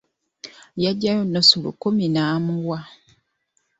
Yaggyayo nnusu lukumi n'amuwa.